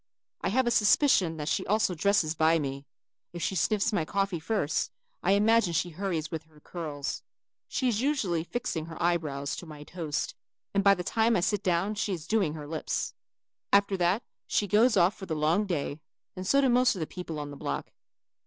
I have a suspicion that she also dresses by me. If she sniffs my coffee first, I imagine she hurries with her curls. She is usually fixing her eye brows to my toast and by the time I sit down she is doing her lips. After that she goes off for the long day and so do most of the people in the block.